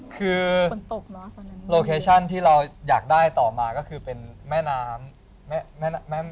คือฝนตกเนอะโลเคชั่นที่เราอยากได้ต่อมาก็คือเป็นแม่น้ำ